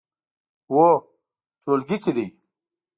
هو، ټولګي کې دی